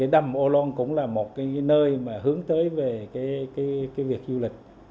đầm ô lan cũng là một nơi hướng tới về việc du lịch